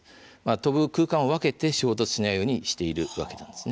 飛ぶ空間を分けて衝突しないようにしているわけなんです。